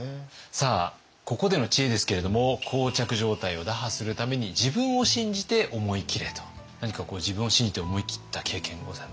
さあここでの知恵ですけれども膠着状態を打破するために何か自分を信じて思い切った経験ございますか？